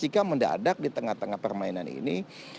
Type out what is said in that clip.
jika mendadak di tengah tengah permainan ini